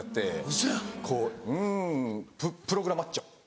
「うんプログラマッチョ！」